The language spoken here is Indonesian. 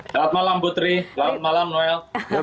selamat malam putri selamat malam noel